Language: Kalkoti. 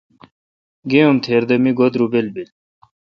گے ام تھیر دہ میگو درُبل بیل۔